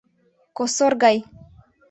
— Косор гай.